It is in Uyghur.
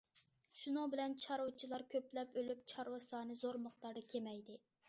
شۇنىڭ بىلەن چارۋىچىلار كۆپلەپ ئۆلۈپ، چارۋا سانى زور مىقداردا كېمەيدى.